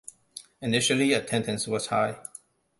Initially, attendance was high.